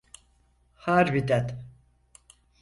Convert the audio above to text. Harbiden.